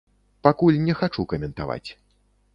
Пакуль не хачу каментаваць.